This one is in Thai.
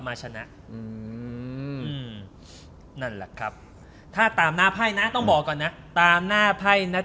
มาชนะอืมนั่นแหละครับถ้าตามหน้าไพ่นะต้องบอกก่อนนะตามหน้าไพ่นะ